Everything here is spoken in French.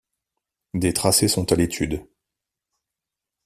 Des tracés sont à l'étude.